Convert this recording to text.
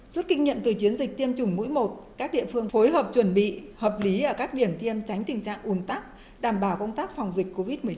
suốt kinh nhận từ chiến dịch tiêm chủng mũi một các địa phương phối hợp chuẩn bị hợp lý ở các điểm tiêm tránh tình trạng ủn tắc đảm bảo công tác phòng dịch covid một mươi chín